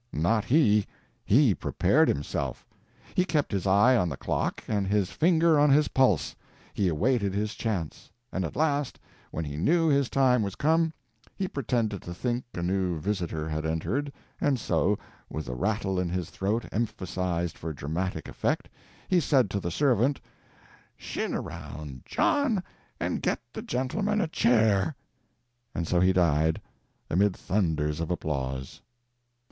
Not he. He prepared himself. He kept his eye on the clock and his finger on his pulse. He awaited his chance. And at last, when he knew his time was come, he pretended to think a new visitor had entered, and so, with the rattle in his throat emphasised for dramatic effect, he said to the servant, "Shin around, John, and get the gentleman a chair." And so he died, amid thunders of applause.